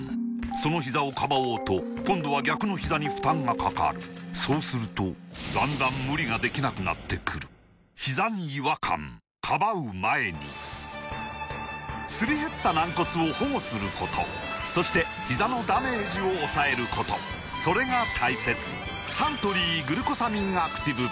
そのひざをかばおうと今度は逆のひざに負担がかかるそうするとだんだん無理ができなくなってくるすり減った軟骨を保護することそしてひざのダメージを抑えることそれが大切サントリー「グルコサミンアクティブ」